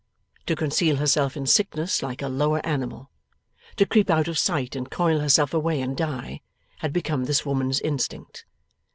To conceal herself in sickness, like a lower animal; to creep out of sight and coil herself away and die; had become this woman's instinct.